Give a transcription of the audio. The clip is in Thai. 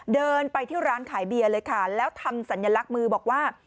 เดินไปที่ร้านขายเบียร์เลยค่ะแล้วทำสัญลักษณ์มือบอกว่า